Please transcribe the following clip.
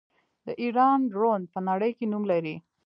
د ایران ډرون په نړۍ کې نوم لري.